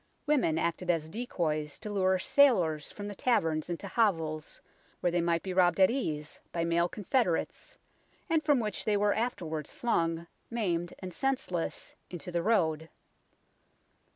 Women acted as decoys to lure sailors from the taverns into hovels where they might be robbed at ease by male confederates, and from which they were afterwards flung, maimed and senseless, into the road.